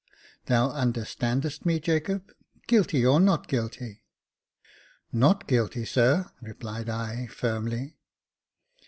Thou understandest me, Jacob — guilty, or not guilty? "" Not guilty, sir," replied I, firmly.